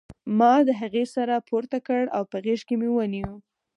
ما د هغې سر پورته کړ او په غېږ کې مې ونیو